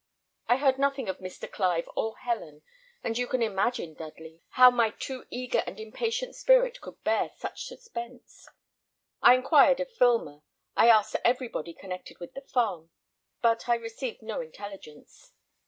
I heard nothing of Mr. Clive or Helen, and you can imagine, Dudley, how my too eager and impatient spirit could bear such suspense. I inquired of Filmer. I asked everybody connected with the farm, but I received no intelligence.